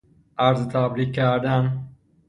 عرض تبریک کردن